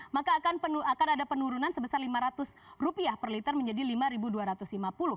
maka akan ada penurunan sebesar rp lima ratus per liter menjadi rp lima dua ratus lima puluh